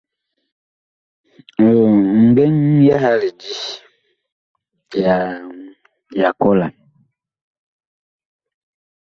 Ngɛŋ yaha lidi ya kɔlan.